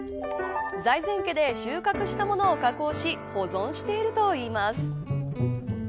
財前家で収穫したものを加工し保存しているといいます。